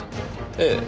ええ。